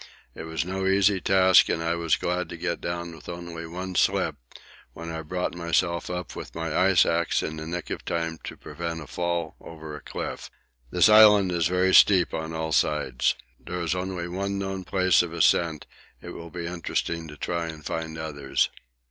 It was no easy task, and I was glad to get down with only one slip, when I brought myself up with my ice axe in the nick of time to prevent a fall over a cliff. This Island is very steep on all sides. There is only one known place of ascent; it will be interesting to try and find others.